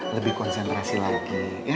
lebih konsentrasi lagi